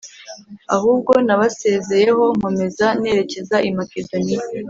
ahubwo nabasezeyeho nkomeza nerekeza i Makedoniya